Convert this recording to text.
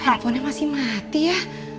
handphonenya masih mati ya